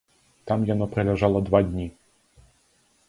Там яно праляжала два дні.